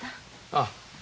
ああ。